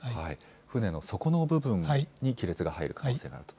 船の底の部分に亀裂が入る可能性があると。